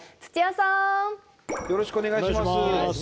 よろしくお願いします。